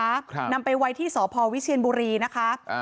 ครับนำไปไว้ที่สพวิเชียนบุรีนะคะอ่า